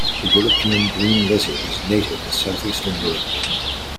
The European green lizard is native to southeastern Europe.